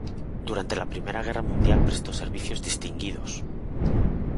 Durante la primera guerra mundial prestó servicios distinguidos.